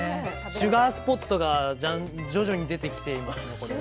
シュガースポットが徐々に出てきていて。